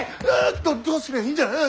どどうすりゃいいんじゃ！